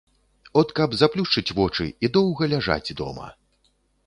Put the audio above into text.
От каб заплюшчыць вочы і доўга ляжаць дома.